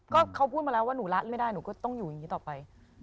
ก็เขาพูดมาแล้วว่าหนูละไม่ได้หนูก็ต้องอยู่อย่างนี้ต่อไป